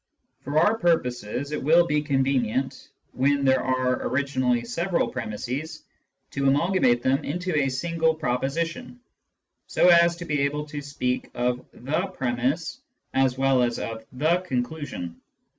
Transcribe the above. For our purposes, it will be convenient, when there are originally several premisses, to amalgamate them into a single proposition, so as to be able to speak of the premiss as well as of the con clusion.